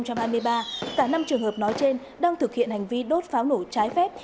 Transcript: cả năm trường hợp nói trên đang thực hiện hành vi đốt pháo nổ trái phép